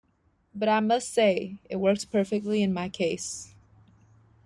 But I must say, it worked perfectly in my case.